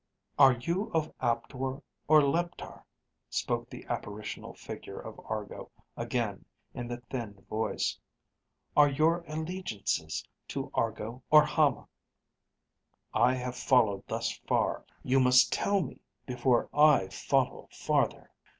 _ _"Are you of Aptor or Leptar?" spoke the apparitional figure of Argo again in the thinned voice. "Are your allegiances to Argo or Hama? I have followed thus far. You must tell me before I follow farther."